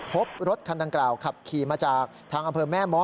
พบรถคันดังกล่าวขับขี่มาจากทางอำเภอแม่ม้อ